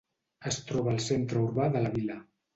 Es troba al centre urbà de la vila.